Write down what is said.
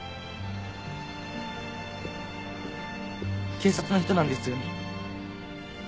警察の人なんですよね？